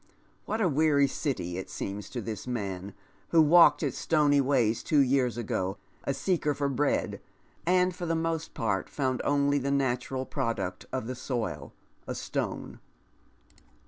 What a weary city it Beems to this man, who walked its stony ways two years ago a Becker for bread, and for the most part found only the natural product of the soil — a stone